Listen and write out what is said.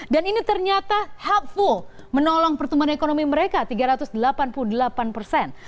dan ini ternyata helpful menolong pertumbuhan ekonomi mereka tiga ratus delapan puluh delapan persen